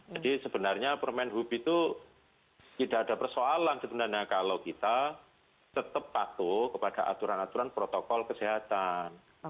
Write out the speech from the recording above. jadi sebenarnya permen hub itu tidak ada persoalan sebenarnya kalau kita tetap patuh kepada aturan aturan protokol kesehatan